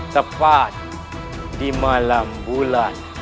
tepat di malam bulan